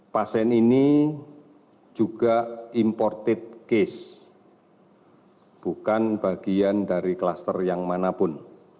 pasien ini juga imported case bukan bagian dari kluster yang manapun